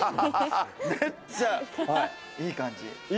めっちゃいい感じ。